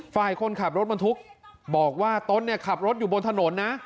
ฝ่ายคนขับรถบรรทุกบอกว่าตนเนี่ยขับรถอยู่บนถนนนะ